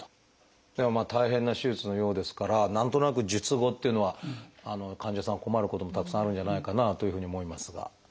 でもまあ大変な手術のようですから何となく術後っていうのは患者さんは困ることもたくさんあるんじゃないかなというふうに思いますが。